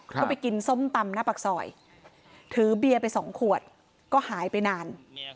ก็ไปกินส้มตำหน้าปากซอยถือเบียร์ไปสองขวดก็หายไปนาน